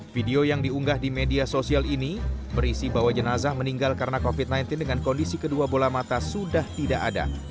video yang diunggah di media sosial ini berisi bahwa jenazah meninggal karena covid sembilan belas dengan kondisi kedua bola mata sudah tidak ada